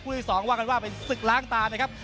ที่๒ว่ากันว่าเป็นศึกล้างตานะครับ